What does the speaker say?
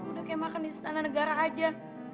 udah kayak makan di istana negara aja